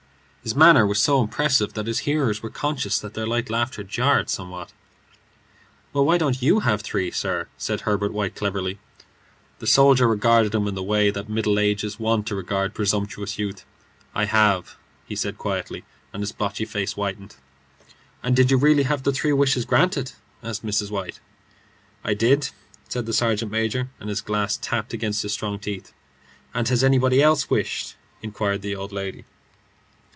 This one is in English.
His manner was so impressive that his hearers were conscious that their light laughter jarred somewhat. "Well, why don't you have three, sir?" said Herbert White, cleverly. The soldier regarded him in the way that middle age is wont to regard presumptuous youth. "I have," he said, quietly, and his blotchy face whitened. "And did you really have the three wishes granted?" asked Mrs. White. "I did," said the sergeant major, and his glass tapped against his strong teeth. "And has anybody else wished?" persisted the old lady.